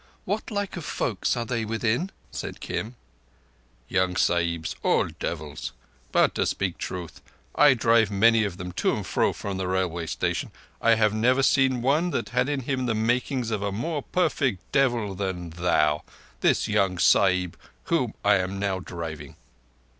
"What like of folk are they within?" said Kim. "Young Sahibs—all devils. But to speak truth, and I drive many of them to and fro from the railway station, I have never seen one that had in him the making of a more perfect devil than thou—this young Sahib whom I am now driving."